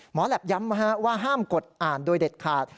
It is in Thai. หมอแล็บย้ำมาว่าห้ามกดอ่านโดยเด็ดขาด